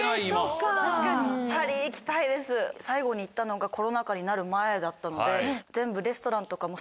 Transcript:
最後に行ったのがコロナ禍になる前だったので。